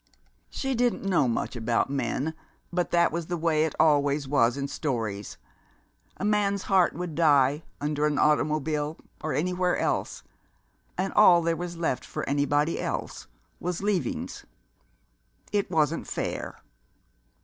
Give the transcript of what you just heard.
She didn't know much about men, but that was the way it always was in stories. A man's heart would die, under an automobile or anywhere else, and all there was left for anybody else was leavings. It wasn't fair!